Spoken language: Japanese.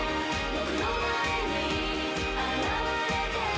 「僕の前に現れて」